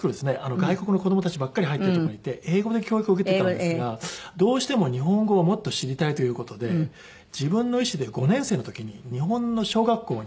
外国の子供たちばっかり入ってる所にいて英語で教育を受けてたんですがどうしても日本語をもっと知りたいという事で自分の意思で５年生の時に日本の小学校に。